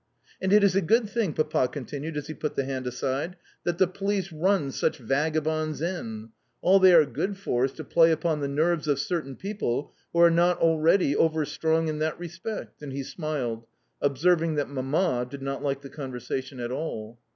"And it is a good thing," Papa continued as he put the hand aside, "that the police run such vagabonds in. All they are good for is to play upon the nerves of certain people who are already not over strong in that respect," and he smiled, observing that Mamma did not like the conversation at all.